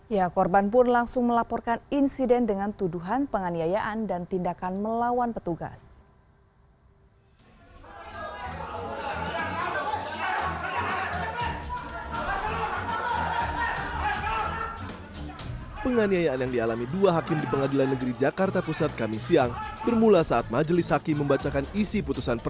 ya korban pun langsung melaporkan insiden dengan tuduhan penganiayaan dan tindakan melawan petugas